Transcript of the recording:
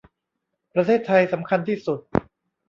ประเทศไทยสำคัญที่สุด